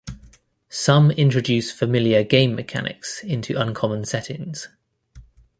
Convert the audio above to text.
Some introduce familiar game mechanics into uncommon settings.